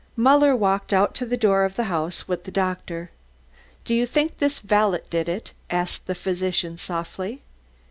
Muller walked out to the door of the house with the doctor. "Do you think this valet did it?" asked the physician softly.